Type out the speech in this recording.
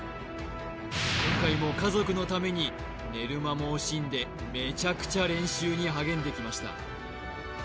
今回も家族のために寝る間も惜しんでめちゃくちゃ練習に励んできました